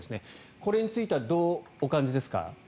これについてはどうお感じですか。